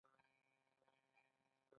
خلک باید په دې عمل کې د ګډون مناسب فرصت ولري.